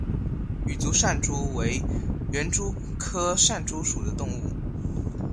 羽足扇蛛为园蛛科扇蛛属的动物。